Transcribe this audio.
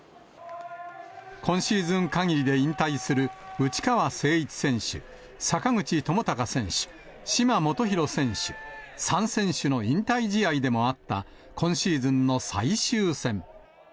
今シーズンかぎりで引退する内川聖一選手、坂口智隆選手、嶋基宏選手、３選手の引退試合でもあった、今シーズンの最終戦。